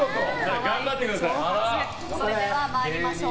それでは参りましょう。